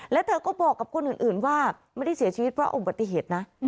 แล้วเธอก็บอกกับคนอื่นว่าไม่ได้เสียชีวิตเพราะอุบัติเหตุนะ